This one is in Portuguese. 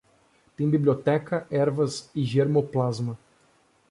Tem biblioteca, ervas e germoplasma.